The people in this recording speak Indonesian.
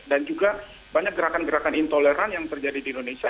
dan juga banyak gerakan gerakan intoleran yang terjadi di indonesia